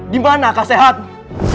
dimana akan sehatmu